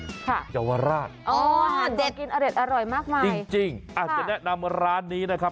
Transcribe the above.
ค่ะยาวราชอ๋อเด็ดอร่อยมากมายจริงอาจจะแนะนำร้านนี้นะครับ